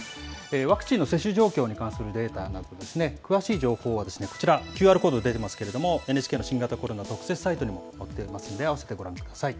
ワクチンの接種状況に関するデータも詳しい情報はですね、こちら、ＱＲコード出てますけれども、ＮＨＫの新型コロナ特設サイトに載っておりますので、併せてごらんください。